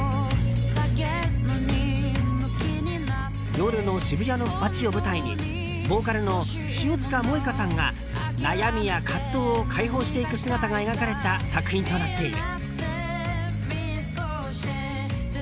夜の渋谷の街を舞台にボーカルの塩塚モエカさんが悩みや葛藤を解放していく姿が描かれた作品となっている。